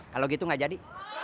kalau gitu gak jadi